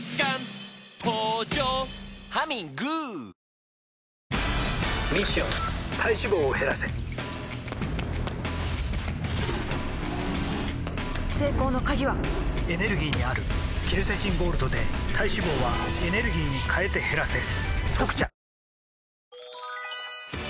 ミッション体脂肪を減らせ成功の鍵はエネルギーにあるケルセチンゴールドで体脂肪はエネルギーに変えて減らせ「特茶」